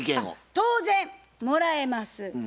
当然もらえます。